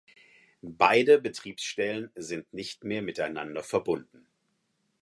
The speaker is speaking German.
Beide Betriebsstellen sind nicht mehr miteinander verbunden.